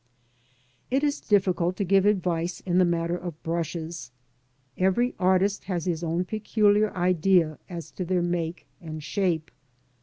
It is difficult to give advice in the matter of brushes. Every artist has his own peculiar idea as to their make and shape.